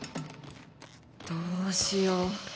どうしよう。